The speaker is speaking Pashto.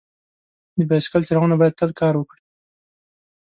د بایسکل څراغونه باید تل کار وکړي.